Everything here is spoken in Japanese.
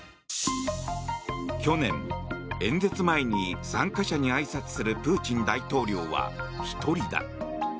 去年、演説前に参加者にあいさつするプーチン大統領は１人だ。